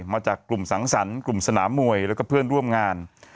มาจากกลุ่มสังสรรค์กลุ่มสนามมวยแล้วก็เพื่อนร่วมงาน